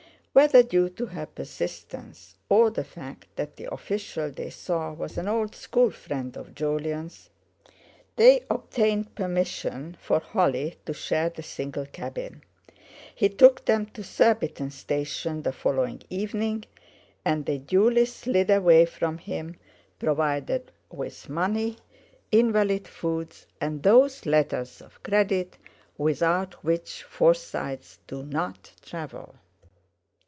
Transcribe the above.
Whether due to her persistence, or the fact that the official they saw was an old school friend of Jolyon's, they obtained permission for Holly to share the single cabin. He took them to Surbiton station the following evening, and they duly slid away from him, provided with money, invalid foods, and those letters of credit without which Forsytes do not travel.